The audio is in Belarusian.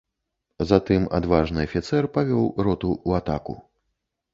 Затым адважны афіцэр павёў роту ў атаку.